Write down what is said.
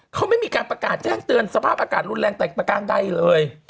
เขาไม่มีการประกาศแจ้งเตือนสภาพอากาศรุนแรงแต่ประการใดเลย